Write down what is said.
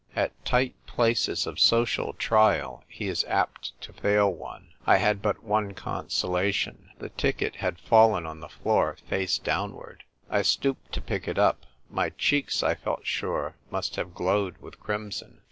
At tight places of social trial he is apt to fail one. I had but one consolation. The ticket had fallen on the floor face downward. I stooped to pick it up. My cheeks, I feel sure, must have glowed with crimson.